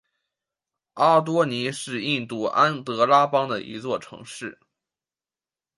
阿多尼是印度安得拉邦的一座城市。